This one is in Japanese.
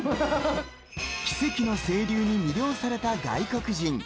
奇跡の清流に魅了された外国人。